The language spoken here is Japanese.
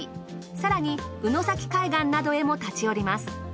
更に鵜ノ崎海岸などへも立ち寄ります。